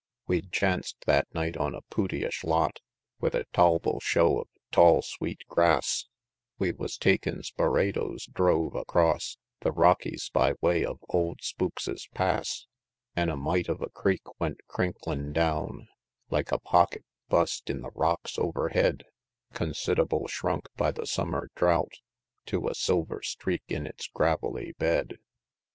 IV. We'd chanc'd that night on a pootyish lot, With a tol'ble show of tall, sweet grass We was takin' Speredo's drove across The Rockies, by way of "Old Spookses' Pass" An' a mite of a creek went crinklin' down, Like a "pocket" bust in the rocks overhead, Consid'able shrunk, by the summer drought, To a silver streak in its gravelly bed.